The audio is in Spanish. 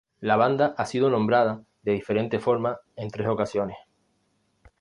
La banda ha sido nombrada de diferente forma en tres ocasiones.